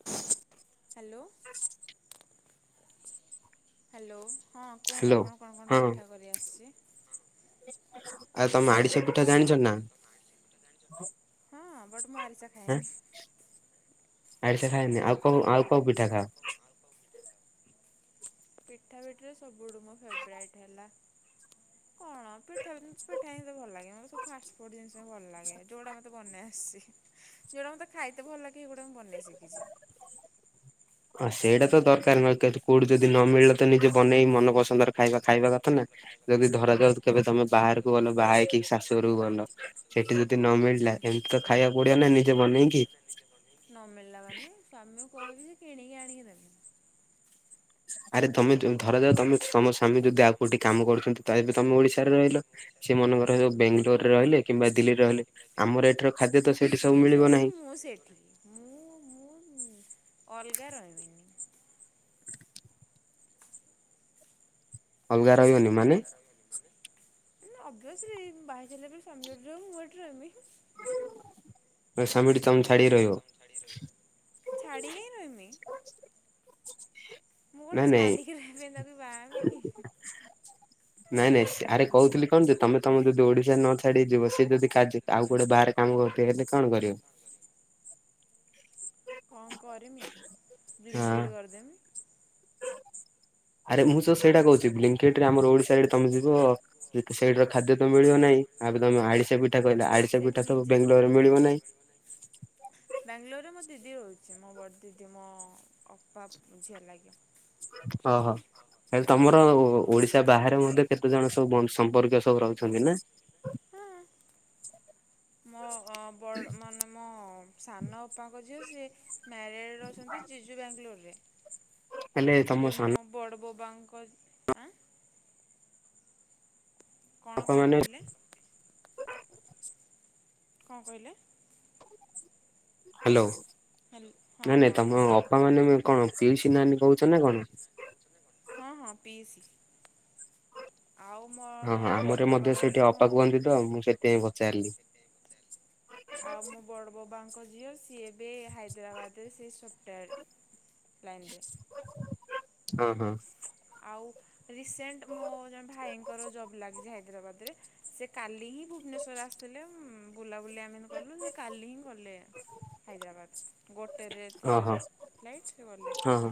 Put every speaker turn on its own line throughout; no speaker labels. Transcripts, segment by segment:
[inaudible]
Hello.
[inaudible]
Hello ହଁ କୁହନ୍ତୁ
hello
ଆପଣଙ୍କୁ କଣ କଣ
ହଁ
ପିଠା କରି ଆସିଛି?
ଆଉ ତମେ ଆଡିଶା ପିଠା ଜାଣିଛ ନା?
ହଁ ବଟ ମୁଁ ଆରିସା ଖାଏନି।
ଆଡଛା ଖଏନି ଆଉ କଉ ଆଉ କୋଉ ପିଠା ଖାଅ?
ପିଠାପିଠିରେ ସବୁଠୁ ମୋ ଫେବରାଇଟ୍ ହେଲା କଣ ପିଠା ପିଠା ହିଁ ଭଲ ଲାଗେନି ମତେ ସବୁ ଫାଷ୍ଟ ଫୁଡ଼ ଜିନିଷ ଭଲ ଲାଗେ। ଯୋଉଟା ମତେ ବନେଇ ଆସିଛି ଯଉଟା ମତେ ଖାଇତେ ଭଲ ଲାଗେ ଏଗୁଡ଼ା ମୁଁ ବନେଇ ଶିଖିଛି।
ହ ସେଇଟା ତ ଦରକାର ନ କୋଉଠି ଯଦି ନ ମିଳିଲ ତ ନିଜେ ବନେଇ ମନ ପସନ୍ଦରେ ଖାଇବା ଖାଇବା କଥା ନା। ଯଦି ଧର ଯାଉ କେବେ ତମେ ବାହାରକୁ ଗଲ ବାହା ହେଇକି ଶାଶୁଘରକୁ ଗଲ। ସେଠି ଯଦି ନ ମିଳିଲା ଏମିତି ତ ଖାଇବାକୁ ପଡ଼ିବ ନା ନିଜେ ବନେଇକି।
ନ ମିଳିଲା ମାନେ ସ୍ୱାମୀଙ୍କୁ କହିବି ଯେ କିଣିକି ଆଣିକି ଦେବେ।
ଆରେ ତମେ ଧର ଯାଉ ତମେ ତମ ସ୍ୱାମୀ ଯଦି ଆଉ କଉଠି କାମ କରୁଛନ୍ତି ତ ଏବେ ତମେ ଓଡିଶାରେ ରହିଲ। ସେ ମନେକର ହଉ ବେଙ୍ଗାଲୋରରେ ରହିଲେ କିମ୍ବା ଦିଲ୍ଲୀରେ ରହିଲେ ଆମର ଏଠିର ଖାଦ୍ୟ ତ ସେଠି
ସିଏ
ସବୁ ମିଳିବ
ଯୋଉଠି
ନାହିଁ।
ମୁଁ ସେଠି ମୁଁ-ମୁଁ ଅଲଗା ରହିବିନି।
ଅଲଗା ରହିବନି ମାନେ
ନା ଅଭିଅସଲି ବାହା ହୋଇସାରିଲା ପରେ ସ୍ୱାମୀ ଜଉଠି ରହିବ ମୁଁ ହେଠି ରହିବି।
ସ୍ୱାମୀଠୁ ତମେ ଛାଡ଼ିକି ରହିବ।
ଛାଡିକି କାଇଁ ରହିମି। ମୁଁ କଣ
ନାଇଁ ନାଇଁ
ଛାଡ଼ିକି ରାହିବା ପାଇଁ ତାକୁ ବାହା ହେମି।
ନାଇଁ ନାଇଁ ଆରେ କହୁଥିଲି କଣ ଯେ ତମେ ତମ ଯଦି ଓଡିଶାରେ ନ ଛାଡ଼ିକି ଯିବ ସିଏ ଯଦି କାର୍ଯ୍ୟ ଆଉ କୁଆଡେ଼ ବାହାରେ କାମ କରୁଥିବ ହେଲେ କଣ କରିବ?
କଣ କରିମି
ହଁ।
ବ୍ଲିଙ୍କେଟ କରିଦେମି।
ଆରେ ମୁଁ ତ ସେଇଟା କହୁଛିି୍ି ବ୍ଲିଙ୍କେଟ ରେ ଆମର ଓଡ଼ିଶାରେ ତମେ ଯିବ। ସେଇଟା ର ଖାଦ୍ୟ ତ ମିଳିବ ନାହିଁ ଆବେ ତମେ ଆଡିଶା ପିଠା ଠା କହିଲ ଆଡ଼ିଶା
ସେଇଠି
ପିଠା ତ
ନିଜେ
ବାଙ୍ଗାଲୋରରେ ମିଳିବ ନାହିଁ।
ବେଙ୍ଗଲୋରରେ ମୋ ଦିଦି ରହୁଛି ମୋ ବଡ଼ ଦିଦି ମୋ ଅପା ଝିଅ ଲାଗି।
ଅ ହ। ତାହାଲେ ତମର ଓଡ଼ିଶା ବାହାରେ ମଧ୍ୟ କେତେ ଜଣ ସବୁ ସମ୍ପର୍କୀୟ ସବୁ ରହୁଛନ୍ତି ନା?
ହଁ ମୋ ହଁ ବଡ ମାନେ ମୋ ସାନଅପାଙ୍କ ଝିଅ ସିଏ ମ୍ୟାରେଡ ର ଅଛନ୍ତି ଜିଜୁ ବାଙ୍ଗାଲୋର ରେ।
ହେଲେ ତମ
ଦେନ
ସାନ
ମୋ ବଡ଼ ବବାଙ୍କ ଆଁ କଣ
ବାପା
କଣ
ମାନେ
କହିଲେ? କଣ କହିଲେ?
ହ୍ୟାଲୋ।
ହେଲ ହଁ
ନାଇଁ ନାଇଁ
ହଁ
ତମ
କୁହନ୍ତୁ
ଅପା ମାନେ କଣ ପିଉସି ନାନୀ କହୁଛ ନା କଣ?
ହଁ ହଁ ପିଇସି। ଆଉ
ହଁ ହଁ
ମୋର
ଆମର
ବଡ଼
ମଧ୍ୟ
ବବା
ସେଇଠି
ମାନେ ମୋ
[unintelligible] ସେଥିପାଇଁ ପଚାରିଲି
ଆଉ ମୋ ବଡ଼ ବବାଙ୍କ ଝିଅ ସିଏ ଏବେ ହାଇଦ୍ରାବାଦରେ ସେ ସଫ୍ଟୱୋର ଲାଇନରେ।
ଅ ହଁ।
ଆଉ ରିସେଣ୍ଟ ମୋ ଜଣେ ଭାଇଙ୍କର ଜବ୍ ଲାଗିଚି ହାଇଦ୍ରାବାଦରେ। ସେ କାଲି ହିଁ ଭୁବନେଶ୍ଵର ଆସିଥିଲେ। ବୁଲାବୁଲି ଆମେ ହେମିତି କଲୁ କାଲି ହିଁ ଗଲେ ହାଇଦ୍ରାବାଦ। ଗୋଟେରେ ଥିଲା
ଓହୋ
ଫ୍ଲାଇଟ୍ ସେ ଗଲେ।
ହଁ ହଁ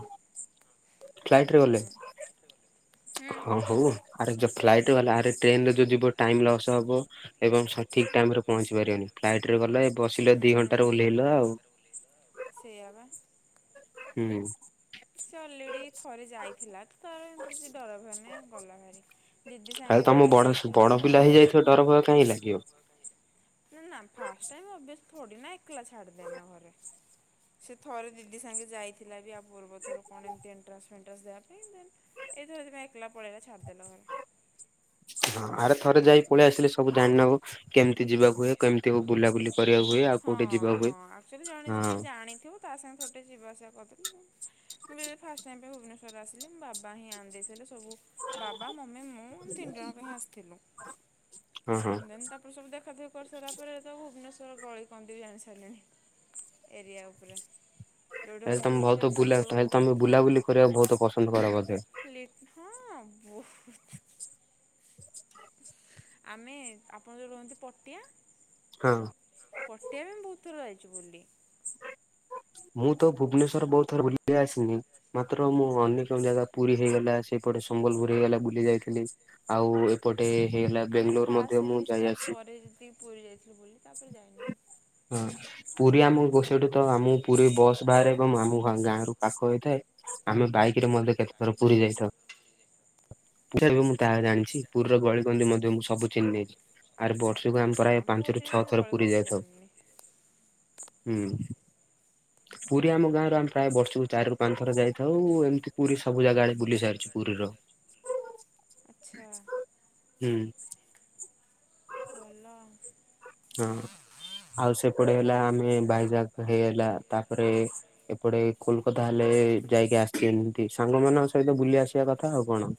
ଫ୍ଲାଇଟ ରେ
ହୁଁ
ଗଲେ।
ହୁଁ
ହଁ ହଉ ଆରେ ଯଉ ଫ୍ଲାଇଟ ଗଲେ ଆରେ ଟ୍ରେନରେ ଯୋଉ ଯିବ ଟାଇମ ଲସ୍ ହବ। ଏବଂ ସେ ଠିକ ଟାଇମ ରେ ପହଞ୍ଚି ପାରିବେନି। ଫ୍ଲାଇଟ ରେ ଗଲେ ବସିଲ ଦି ଘଣ୍ଟାରେ
ହୁଁ
ଓହ୍ଲେଇଲ ଆଉ।
ସେଇଆ ବା।
ହୁଁ।
ସେ ଅଲରେଡି ଥରେ ଯାଇଥିଲା। ତ ତାର ଏମିତି ସେ ଡର ଭୟ ନାଇ ଗଲା ଭାରି। ଦିଦି
ଆଉ
ସାଙ୍ଗେ
ତମ
ଥରେ
ବଡ
ଯାଇଥିଲା।
ବଡ ପିଲା ହେଇଯାଇଥିବ ଡର ଭୟ କାହିଁ ଲାଗିବ?
ନା ଫାଷ୍ଟ ଟାଇମ ଓବିଏସ୍ ଥୋଡ଼ି ନା ଏକଲା ଛାଡ଼ଦେବେ ଆମ ଘରେ। ସେ ଥରେ ଦିଦି ସାଙ୍ଗେ ଯାଇଥିଲା ବି ଆଉ ପୂର୍ବ ଥର କଣ ଏମତି ଏଣ୍ଟ୍ରାନ୍ସ ଫେଣ୍ଟ୍ରାସ ଦେବା ପାଇଁ। ଦେନ୍ ଏଥି ଏଇଥି ପାଇଁ ଏକଲା ପଲେଇଲା ଛାଡ଼ି ଦେଲେ ଘରେ।
ହଁ ଆରେ ଥରେ ଯାଇ ପଳେଇ ଆସିଲେ ସବୁ ଜାଣିନବ। କେମିତି ଯିବାକୁ ହୁଏ କେମିତି ବୁଲାବୁଲି କରିବାକୁ ହୁଏ ଆଉ
ହଁ
କୋଉଠି ଯିବାକୁ ହୁଏ
ହଁ ଆକଚୁଆଲି ଜଣେ
ହଁ
କି ଜାଣିଥିବ ତା ସାଙ୍ଗେ ଥରୁଟେ ଯିବା ଆସିବା କରିଦେଲେ ମୁଁ ଯେବେ ଫାଷ୍ଟ ଟାଇମ୍ ପାଇଁ ଭୁବନେଶ୍ୱର ଆସିଲି ମୋ ବାବା ହିଁ ଆଣିଦେଇଥିଲେ ସବୁ ବାବା, ମମି, ମୁଁ ଆମେ ତିନି ଜଣଙ୍କ ହିଁ ଆସିଥିଲୁ।
ହଁ ହଁ
ଦେନ୍ ତା ପୁଣି ସବୁ ଦେଖା ଦେଖି କରିସାରିଲା ପରେ ଏଇ ତ ଭୁବନେଶ୍ବର ପଳେଇ [unintelligible] ଜାଣିସାରିଲାଣି ଏରିଆ ଉପରେ। ଯୋଉଠି
ତାହେଲେ
ମୁଁ
ତମେ
ରହୁଛି
ବହୁତ
ସେ
ବୁଲା
ସବୁ
ତାହେଲେ ତମେ ବୁଲାବୁଲି କରିବାକୁ ବହୁତ ପସନ୍ଦ କର ବୋଧେ?
[unintelligible] ହଁ ବହୁତ୍। ଆମେ ଆପଣ ଯୋଉ ରୁହନ୍ତି ପଟିଆ
ହଁ।
ପଟିଆ ବି ଆମେ ବହୁତ ଥର ଯାଇଛୁ ବୁଲି।
ମୁଁ ତ ଭୁବନେଶ୍ଵର ବହୁତ ଥର ବୁଲିକି ଆସିନି। ମାତ୍ର ମୁଁ ଅନେକ ଜାଗା ପୁରୀ ହେଇଗଲା ସେପଟେ ସମ୍ବଲପୁର ହେଇଗଲା ବୁଲି ଯାଇଥିଲି। ଆଉ ଏପଟେ ହେଇଗଲା ବେଙ୍ଗଲୋର ମଧ୍ୟ ମୁଁ ଯାଇ ଆସି
ଏବେ ଯେତିକି ପୁରୀ ଯାଇଥିଲୁ ବୁଲି ତାପରେ ଯାଇନି ଆଉ।
ହଁ। ପୁରୀ ଆମ ସେଇଠୁ ତ ଆମ ପୁରୀ ବସ୍ ବାହାରେ ଏବଂ ଆମ ଗାଁ ରୁ ପାଖ ହେଇଥାଏ। ଆମେ ବାଇକ୍ ରେ ମଧ୍ୟ କେତେ ଥର ପୁରୀ ଯାଇଥାଉ। ତେବେ ମୁଁ ଯାହା ଜାଣିଚି ପୁ ଗଳି କାନ୍ଦି ମଧ୍ୟ ମୁଁ ସବୁ ଚିହ୍ନ ଦେଇଛି। ଆର୍ ବର୍ଷକୁ ଆମ
ନା
ପ୍ରାୟ ପାଞ୍ଚ ରୁ
ପୁରୀରେ
ଛଅ
ମୁଁ
ଥର ପୁରୀ
ଗଳିକନ୍ଦି
ଯାଇଥାଉ
ଜାଣିନି।
ହୁଁ। ପୁରୀ ଆମ ଗାଁ ରୁ ଆମେ ପ୍ରାୟ ବର୍ଷକୁ ଚାରିରୁ ପାଞ୍ଚ ଥର ଯାଇଥାଉ। ଏମିତି ପୁରୀ ସବୁ ଜାଗା ବୁଲି ସାରିଚୁ ପୁରୀର।
[inaudible] ଆଚ୍ଛା।
ହୁଁ।
ଭଲ।
ହଁ, ଆଉ ସେପଟେ ହେଲା ଆମେ ଭାଇଜାଗ ହେଲାଆଇଲା ତାପରେ ଏପଟେ କୋଲକାତା ହେଲେ ଯାଇକି ଆସିଛି ଏମିତି ସାଙ୍ଗମାନଙ୍କ ସହିତ ବୁଲି ଆସିବା କଥା ଆଉ କ'ଣ।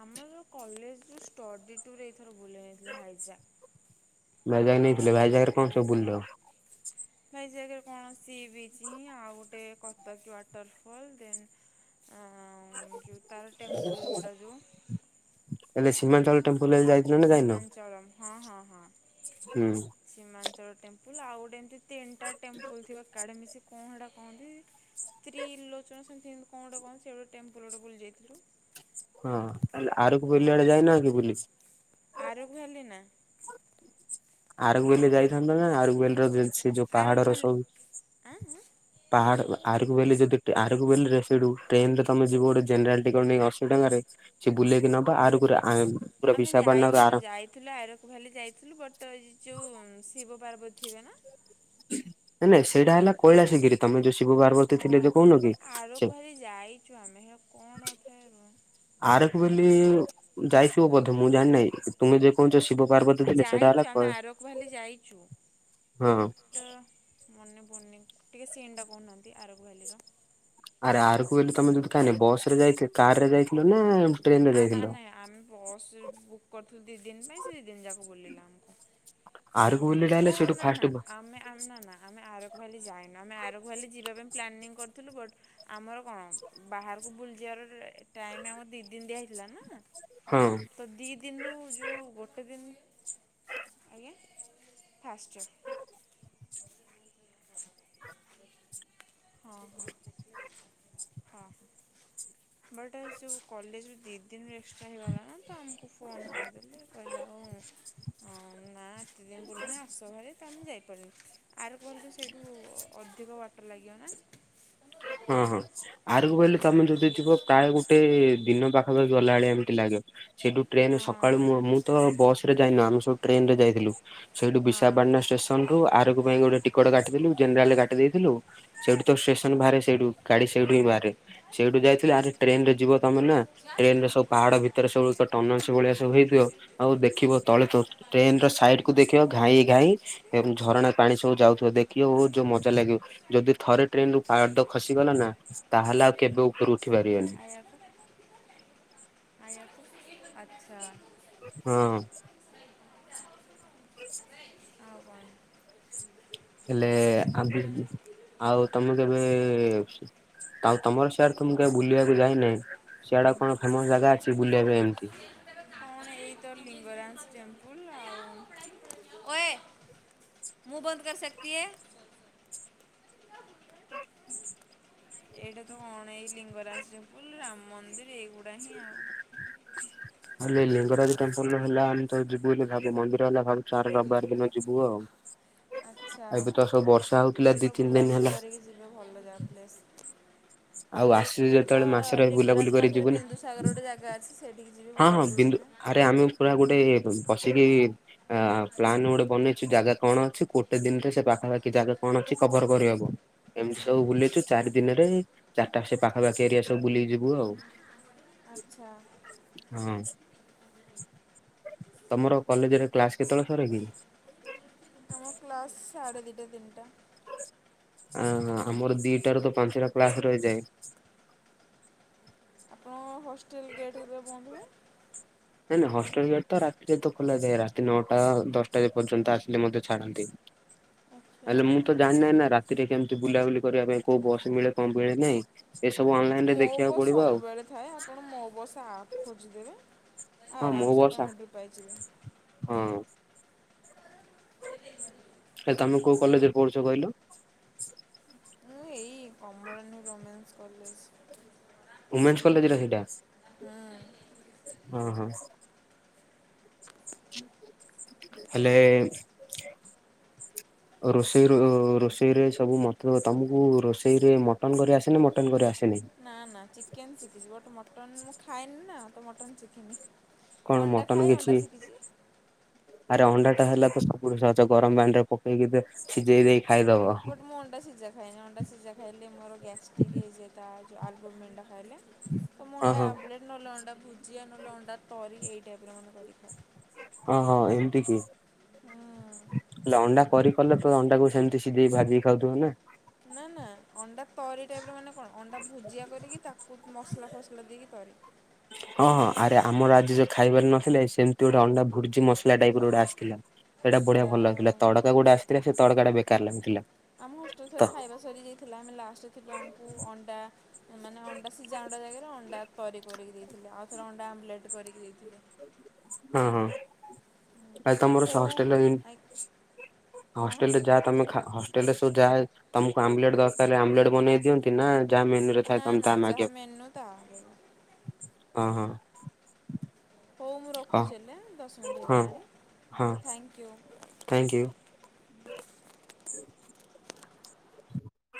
ଆମର କଲେଜରୁ ସ୍ଟଡି ଟୁର୍ ଏଇଥର ବୁଲେଇ ନେଇଥିଲେ ଭାଇଜା
ଭାଇଜାଗ ନେଇଥିଲେ, ଭାଇଜାଗରେ କ'ଣ ସବୁ ବୁଲିଲ?
ଭାଇଜାଗରେ କ'ଣ ସି ବିଚ ହିଁ ଆଉ ଗୋଟେ କତକୀ ୱାଟର ଫଲ ଦେନ୍ ଆଁ ଯୋଉ ତାର ଟେମ୍ପୁଲ ଗୁଡା ଯୋଉ।
ହେଲେ ସୀମାନ୍ତଳ [inaudible] ଯାଇ
ସୀମାଞ୍ଚଳମ୍ ହଁ, ହଁ, ହଁ।
ହୁଁ।
ସୀମାଞ୍ଚଳ ଟେମ୍ପୁଲ, ଆଉ ଗୋଟେ ଏମିତି ତିନିଟା ଟେମ୍ପୁଲ ଥିବା ଏକାଢେ ମିଶି କ'ଣ ହେଟା କହନ୍ତି? ତ୍ରିଲୋଚନ ସେମିତି କିନ୍ତୁ କ'ଣ ଗୋଟେ କହନ୍ତି ସେ ଗୋଟେ ଟେମ୍ପୁଲ ଗୋଟେ ବୁଲି ଯାଇଥିଲୁ।
ହଁ, ଆରକ ଭ୍ୟାଲି
ଆଉ
ବଡେ ଯାଇନ କି ବୁଲି?
ଆରକ ଭ୍ୟାଲି, ନାଁ।
ଆରକ ଭ୍ୟାଲି ଯାଇଥାନ୍ତ ନା ଆରକ ଭ୍ୟାଲିର ସେ ଯୋଉ
ଆରକ
ପାହାଡର
ଭ୍ୟାଲି
ସବୁ
ଆଁ ଆଁ
ପାହାଡ ଆରକୁ ଭ୍ୟାଲି ଯଦି ଟେ ଆରକୁ ଭ୍ୟାଲିରେ ସେଇଠୁ ଟ୍ରେନରେ ତମେ ଯିବ ଗୋଟେ ଜେନେରାଲ ଟିକଟ ନେଇ ଅଶୀ ଟଙ୍କାରେ। ସିଏ ବୁଲେଇକି ନବ ଆରୁକୁରେ ଆଁ।
ଆମେ ଯାଇଥିଲୁ ଯାଇ ଥିଲୁ ଆରକ ଭ୍ୟାଲି ଯାଇଥିଲୁ ବଟ ଏ ଯୋଉ ଶିବ ପାର୍ବତୀ ଥିବେ ନା।
ନାଇଁ ନାଇଁ ସେଇଟା ହେଲା କୈଳାସ ଗିରି ତମେ ଯୋଉ ଶିବ ପାର୍ବତୀ
ହଁ
ଥିଲେ ଯୋଉ କହୁନ କି
ବଟ୍ ଆରକ
ସେ
ଭ୍ୟାଲି ଯାଇଛୁ ଆମେ ହେ କ'ଣ ଥାଏ?
ଆରଖ
ମନେ
ବୋଲି ଯାଇଥିବ ବୋଧେ ମୁଁ ଜାଣିିନାହିଁ। ତୁମେ ଯେ କହୁଛ ଶିବ ପାର୍ବତୀ ଥିଲେ ସେଇଟା
ଯାଇଛୁ
ହେଲା
ଆମେ
କ
ଆରକ ଭ୍ୟାଲି ଯାଇଛୁ
ହଁ
ବଟ୍ ମନେ ପଡୁନି ଟିକେ ସିନ୍ ଟା କହୁନାହାନ୍ତି ଆରକ ଭ୍ୟାଲିର।
ଆର ଆରକୁ ଭ୍ୟାଲି ତମେ ଯଦି କାଁଇ ନାହିଁ ବସରେ ଯାଇଥି କାର ରେ ଯାଇଥିଲ ନା ଟ୍ରେନ ରେ
ଆ ଆ
ଯାଇଥିଲ?
ନାଇଁ ଆମେ ବସ୍ ବୁକ୍ କରିୁଥିଲୁ ଦି ଦିନ ପାଇଁ ସେ ଦି ଦିନ ଯାକ ବୁଲେଇଲା ଆମକୁ।
ଆରକୁ ଭ୍ୟାଲି ଟା
ଓ ନା, ନା, ଆମେ ଆମ ନା, ନା, ଆମେ ଆରକ ଭ୍ୟାଲି ଯାଇନୁ ଆମେ ଆରକ ଭ୍ୟାଲି ଯିବା ପାଇଁ ପ୍ଲାନିଙ୍ଗ କରୁଥିଲୁ ବଟ୍ ଆମର କ'ଣ ବାହାରକୁ ବୁଲିଯିବାର ଟାଇମ୍ ଆମର ଦି ଦିନ ଦିଆ ହେଇ ଥିଲା ନା।
ହଁ।
ତ ଦି ଦିନରୁ ଯୋଉ ଗୋଟେ ଦିନ ଆଜ୍ଞା ଫାଷ୍ଟ୍ର ହଁ, ହଁ, ହଁ, ‌ ବଟ୍ ଯୋଉ କଲେଜରୁୁ ଦି ଦିନରୁ ଏକ୍ସଟ୍ରା ହେଇଗଲା ନା ତ ଆମ କୁ ଫୋନ୍ କରିଦେଲେ କହିଲା ଆଉ ହଁ, ନା ଏତେ ଦିନ ବୁଲନି ଆସ ଭରି ତ ଆମେ ଯାଇପାରି ଆରକ ଭ୍ୟାଲିରୁ ସେଇଠୁ ଅଧିକ ବାଟ ଲାଗିବ ନା।
ହଁ, ହଁ। ଆରକୁ ଭ୍ୟାଲି ତମେ ଯଦି ଯିବ ପ୍ରାୟ ଗୋଟେ ଦିନ ପାଖାପାଖି ଗଲାଭଳିଆ ଏମିତି ଲାଗିବ। ସେଇଠୁ ଟ୍ରେନ
ହଁ
ସକାଳୁ ମୁଁ ମୁଁ ତ ବସ ରେ ଯାଇନୁ ଆମେ ସବୁ ଟ୍ରେନ ରେ ଯାଇଥିଲୁ। ସେଇଠୁ
ହଁ
ବିଶାଖାପାଟନା ଷ୍ଟେସ ସନରୁ ଆରକ ପାଇଁ ଗୋଟେ ଟିକଟ କାଟିଥିଲୁ ଜେନେରାଲରେ କାଟି ଦେଇଥିଲୁ ସେଇଠୁ ତ ଷ୍ଟେସନ ବାହାରେ ଆସି ସେଇଠୁ ଗାଡି ସେଇଠୁ ହିଁ ବାହାରେ, ସେଇଠୁ ଯାଇଥିଲୁ ଆରେ ଟ୍ରେନ ରେ ଯିବ ତମେ ନା ଟ୍ରେନ ରେ ସବୁ ପାହାଡ ଭିତରେ ସବୁ ତ ଟନଲ ସବୁ ଭଳିଆ ସବୁ ହେଇଥିବ। ଆଉ ଦେଖିବ ତଳେ ତ ଟ୍ରେନ ର ସାଇଡ କୁ ଦେଖିବ ଘାଇ ଘାଇ। ଏମ୍ ଝରଣା ପାଣି ସବୁ ଯାଉଥିବ ଦେଖିବ ବହୁତ ଯୋଉ ମଜା ଲାଗିବ, ଯଦି ଥରେ ଟ୍ରେନରୁ ପାହାଡ଼ ତ ଖସିଗଲା ନା ତାହେଲେ ଆଉ କେବେ ଉ ରୁଖି ବାରି।
ଆକୁ ଆକୁ ଆଚ୍ଛା।
ହଁ।
[inaudible]
[inaudible]
ଆଉ କଣ?
ହେଲେ ଆ ଆଉ ତମେ କେବେ ଆଉ ତମର ସିଆଡେ ତ ମୁଁ କେବେ ବୁଲିବାକୁ ଯାଇନାହିଁ। ସିଆ ଡେ କଣ ଫେମସ ଜାଗା ଅଛି ବୁଲିବା ପାଇଁ ଏମିତି
କଁ ଏଇ ତ ଲିଙ୍ଗରାଜ ଟେମ୍ପଲ ଆଉ ମୁଁ ବନ୍ଦ କର ସେକ ତିଏ।
[inaudible]
ଏଇଟା ତ କଣ ଏଇ ଲିଙ୍ଗରାଜ ଟେମ୍ପୁଲ ରାମ ମନ୍ଦିର ଏଇ ଗୁଡା
[unintelligible] ହେଲେ ଲିଙ୍ଗରାଜ ଟେମ୍ପୁଲ ହେଲା ଆମେ ତ ଯିବୁ ବୋଲି ଭାବୁ ମନ୍ଦିର ହେଲା ଭାବୁ ସାର ରବିବାର ଦିନ ଯିବୁ ଆଉ।
ଆଚ୍ଛା
ଏବେ ତ ସବୁ ବର୍ଷା ହଉଥିଲା ଦି
ଭଲ
ତିନି ଦିନ
ବୁଲାବୁଲି
ହେଲା
କରିକି ଯିବେ ଭଲ ଯାଗା ପ୍ଲେସ୍
ଆଉ ଆସିଛୁ
ସେଇଟା ତ
ଯେତେବେଳେ ମାସରେ ବୁଲାବୁଲି
ଲିଙ୍ଗରାଜ
କରି
ପାଖରେ
ଯିବୁ ନା।
ବିନ୍ଦୁସାଗର ଗୋଟେ ଜାଗା ଅଛି। ସେଇଠିକି ଯିବେ
ହଁ, ହଁ
ବୁଲାବୁଲି
ବିନ୍ଦୁ
କରିବେ
ଆରେ ଆମେ ପୁରା ଗୋଟେ ବସିକି ଆ ପ୍ଲାନ୍ ଗୋଟେ ବନେଇଛୁ ଜାଗା କଣ ଅଛି, ଗୋଟେ ଦିନରେ ସେ ପାଖାପାଖି ଜାଗା କଣ ଅଛି କଭର କରି ବାକୁ। ଏମତି
ହୁଁ।
ସବୁ ବୁଲିଛୁ ଚାରି ଦିନରେ ଚାରିଟା ସେ ପାଖା ପାଖି ଏରିଆ ସବୁ ବୁଲିକି ଯିବୁ ଆଉ।
ଆଚ୍ଛା।
ହଁ, ତମର କଲେଜରେ କ୍ଲାସ କେତେବେଳେ ସରେ କି?
ଆମ କ୍ଲାସ୍ ସାଢ଼େ ଦୁଇଟା, ତିନି ଟା।
ଅ ଆମର ଦିଟା ର ତ ପାଞ୍ଚଟା କ୍ଲାସ ରହିଯାଏ।
ହଁ ହଷ୍ଟେଲ୍ ଗେଟ୍ କେତେବେଳେ ବନ୍ଦ ହୁଏ।
ନାଇଁ, ନାଇଁ ହଷ୍ଟେଲ ଗେଟ ତ ରାତିରେ ତ ଖୋଲାଯାଏ। ରାତି ନଅଟା, ଦଶଟା ପର୍ଯ୍ୟନ୍ତ ଆସିଲେ ମଧ୍ୟ ଛାଡ଼ନ୍ତି।
[unintelligible] ଆଚ୍ଛା
ଆଲେ ମୁଁ ତ ଜାଣି ନାଇଁ ନା ରାତିରେ କେମିତି ବୁଲା ବୁଲି କରିବା ପାଇଁ କୋଉ ବସ୍ ମିଳେ କଣ ମିଳେ ନାହିଁ ଏସବୁ ଅନଲାଇ
ମୋ ବସ୍ ସବୁବେଳେ ଥାଏ ଆପଣ ମୋ ବସ୍ ଆପ୍ ଖୋଜିଦେବେ।
ହଁ ମୋ
ଆରାମସେ ଆପଣ
ବଷା
ହେଠୁ ପାଇଯିବେ
ହଁ।
[unintelligible]
ହେଲେ ତମେ କୋଉ କଲେଜରେ ପଢୁଛ କହିଲ?
ମୁଁ ଏଇ କମଳନି ଓମେନ୍ସ କଲଜ୍
ଓମେନ୍ସ୍ କଲେଜ୍ ଟା ସେଇଟା ହଁ ହଁ। ହେଲେ
ହଁ
ରୋଷେଇର ରୋଷେଇରେ ସବୁ ମତ ଦେବ ତମକୁ ରୋଷେଇରେ ମଟନ୍ କରି ଆସେ ନା ମଟନ କରି ଆସେନାହିଁ?
ନା ନା ଚିକେନ୍ ଶିଖିଛି ବୋଟ ମଟନ୍ ମୁଁ ଖାଇଏନି ନା ତ ମଟନ୍ ଶିଖିନି।
କଣ
ଅଣ୍ଡା
ମଟନ
ଖାଏ ଅଣ୍ଡା
କିଛି
ଶିଖିଛି।
ଆରେ ଅଣ୍ଡା ଟା ହେଲା ତ ସବୁଠ ସହଜ ଗରମ ପାଣିରେ ପକେଇକି ଦେଖ। ସିଝେଇ ଦେଇ ଖାଇଦବ।
ବଟ ମୁଁ ଅଣ୍ଡା ସିଜା ଖାଇନା ଅଣ୍ଡା ସିଝା ଖାଇଲେ ମୋର ଗ୍ୟାସ୍ ଟିକ୍ ହେଇ ଯାଏ ତା ଯେଉଁ ଆଲବୁ ମେଣ୍ଢା ଖାଇଲେ। ତ ମୁଁ
ହଁ
ଅଣ୍ଡା
ହଁ
ଆମ୍ବଲେଟ୍, ନହେଲେ ଅଣ୍ଡା ଭୁଜିଆ, ନହେଲେ ଅଣ୍ଡା, ତରି ଏଇଟାପରେ ମନେ କରିଥାଅ।
ଓହୋ ଏମିତି କି
ହୁଁ।
ହେଲେ ଅଣ୍ଡା କରି କଲେ ତ ଅଣ୍ଡାକୁ ସେମିତି ସିଝେଇ ଭାଜିକି ଖାଉଥିବ ନା
ନା ନା ଅଣ୍ଡା କରି ଟାଇପରେ ମାନେ କଣ ଅଣ୍ଡା ଭୋଜିଆ କରିକି ତାକୁ ମସଲା ଫସଲା ଦେଇକି କରେ
ହଁ ହଁ ଆରେ ଆମର ଆଜି ଯୋଉ ଖାଇବାର ନଥିଲେ, ସେମିତି ଗୋଟେ ଅଣ୍ଡା ଭୋର୍ଜି ମସଲା ଟାଇପର ଗୋଟେ ଆସିଥିଲା। ସେଇଟା ବଢିଆ ଭଲ
ଯାହା
ଲାଗୁଥିଲା
ହଉ
ତଡକା ଗୋଟେ ଆସିଥିଲା ସେ ତଡକା ଟା ବେକାର ଲାଗୁଥିଲା
ଆମ ହୋଷ୍ଟେଲ
ତ
ଥରେ ଖାଇବା ସରି ଯାଇଥିଲା ଆମେ ଲାଷ୍ଟ ରେ ଥିଲୁ ଆମକୁ ଅଣ୍ଡା ମାନେ ଅଣ୍ଡା ସିଝା ଅଣ୍ଡା ଜାଗାରେ ଅଣ୍ଡା ତରି କରିକି ଦେଇଥିଲେ ଆଉଥରେ ଅଣ୍ଡା ଆମ୍ଲେଟ୍ କରିକି ଦେଇଥିଲେ।
ହଁ ହଁ ଆଉ ତମର ସ
ହଉ
ହଷ୍ଟେଲରେ ହିଁ
ଆଇ କଣ?
ହଷ୍ଟେଲରେ ଯାହା ତମେ ଖା ହଷ୍ଟେଲରେ ସବୁ ଏ ଯାହା ତମକୁ ଆମଲେଟ୍ ଦରକାର ଆମଲେଟ ବନେଇ ଦିଆନ୍ତି ନା ଯାହା ମେନୁରେ ଥା
ନା
ତମେ
ନା
ତା
ଯାହା
ମାଗିବାକୁ
ମେନୁ ତାହା
ହଁ ହଁ
ହଉ ମୁଁ
ହଁ
ରଖୁଛି ହେଲେ ଦଶ ମିନିଟ୍
ହଁ
ହେଇଗଲାଣି ଥ୍ୟାଙ୍କୟୁ।
Thank you.